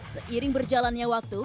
seiring berjalannya waktu